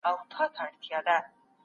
خلګ باید په یو ټولنیز واحد کي ژوند وکړي.